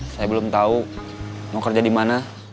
saya belum tahu mau kerja di mana